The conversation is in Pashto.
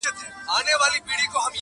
بدرګه را سره ستوري وړمهیاره,